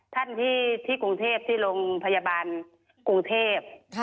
ท่านที่กรุงเทพที่โรงพยาบาลกรุงเทพ